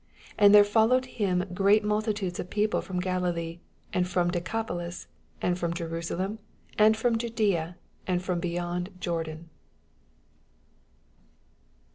25 And there followed him great multitudes of people from Galilee, and/rom Deoapolis. and from Jero salem, and from tludflea, and from beyond Joroan.